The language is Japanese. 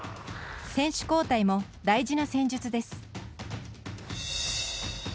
選手交代も大事な戦術です。